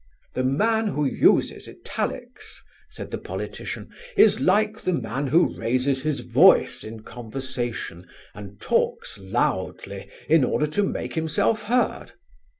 "The man who uses italics," said the politician, "is like the man who raises his voice in conversation and talks loudly in order to make himself heard."